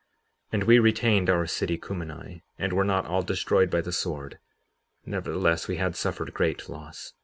57:23 And we retained our city Cumeni, and were not all destroyed by the sword; nevertheless, we had suffered great loss.